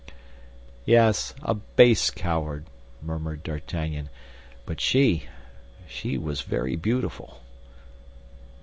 "Yes, a base coward," murmured D'Artagnan; "but she—she was very beautiful."